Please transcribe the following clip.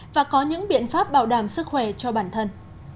và có những biện pháp bảo đảm sức khỏe cho bản thân